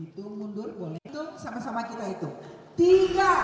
kami itu mundur boleh itu sama sama kita itu